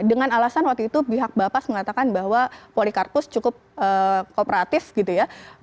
dengan alasan waktu itu pihak bapas mengatakan bahwa polikarpus cukup kooperatif gitu ya